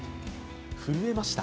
震えました。